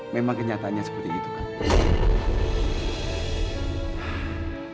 memang kenyataannya seperti itu kan